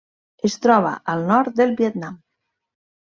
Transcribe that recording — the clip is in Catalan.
Es troba al nord del Vietnam.